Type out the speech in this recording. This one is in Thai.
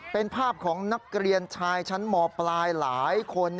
เป็นภาพของนักเรียนชายชั้นมปลายหลายคน